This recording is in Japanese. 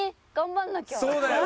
そうだよ。